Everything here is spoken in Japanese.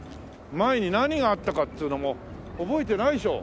前に何があったかっていうのも覚えてないでしょ。